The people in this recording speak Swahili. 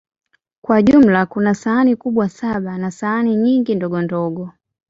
Kwa jumla, kuna sahani kubwa saba na sahani nyingi ndogondogo.